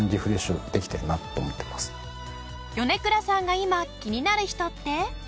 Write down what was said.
米倉さんが今気になる人って？